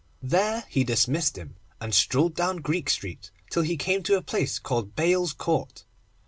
There he dismissed him, and strolled down Greek Street, till he came to a place called Bayle's Court.